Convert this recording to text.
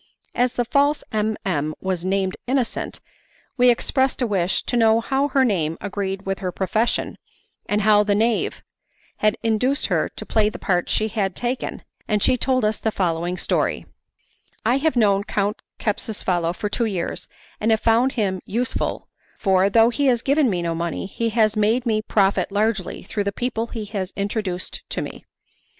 As the false M. M. was named Innocente, we expressed a wish to know how her name agreed with her profession, and how the knave had induced her to play the part she had taken; and she told us the following story: "I have known Count Capsucefalo for two years, and have found him useful, for, though he has given me no money, he has made me profit largely through the people he has introduced to me.